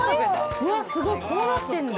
うわっすごい、こうなってんだ。